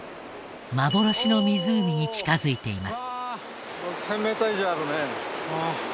幻の湖に近づいています。